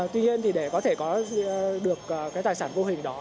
tuy nhiên thì để có thể có được cái tài sản vô hình đó